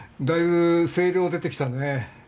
だいぶ声量出てきたね。